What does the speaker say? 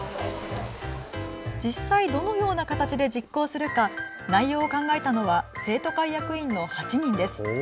実際どのような形で実行するか、内容を考えたのは生徒会役員の８人です。